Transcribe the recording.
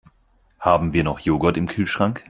Haben wir noch Joghurt im Kühlschrank?